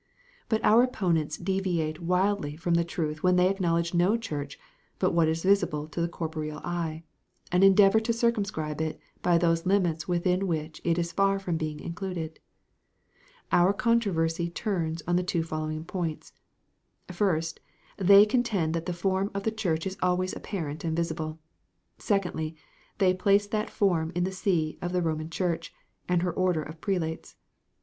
But our opponents deviate widely from the truth when they acknowledge no Church but what is visible to the corporeal eye, and endeavour to circumscribe it by those limits within which it is far from being included. Our controversy turns on the two following points: first, they contend that the form of the Church is always apparent and visible; secondly, they place that form in the see of the Roman Church and her order of prelates.